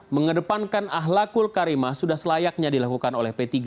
mengedepankan ahlakul karimah sudah selayaknya dilakukan oleh p tiga